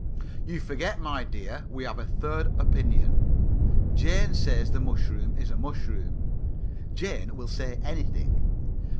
"You forget, my dear. We have a third opinion. Jane says the mushroom is a mushroom." "Jane will say anything."